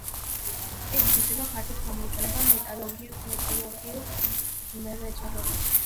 ეს თვისება ფართოდ გამოიყენება მეტალურგიულ მრეწველობაში.